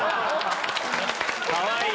かわいい！